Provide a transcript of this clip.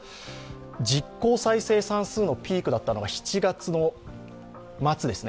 実効再生産数のピークだったのが７月の末ですね。